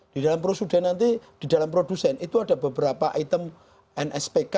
di dalam prosedur nanti di dalam produsen itu ada beberapa item nspk